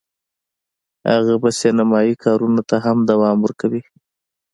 هغه به سینمایي کارونو ته هم دوام ورکوي